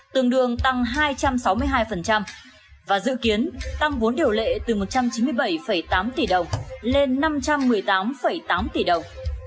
tường đường tăng hai trăm sáu mươi hai và dự kiến tăng vốn điều lệ từ một trăm chín mươi bảy tám tỷ đồng lên năm tỷ đồng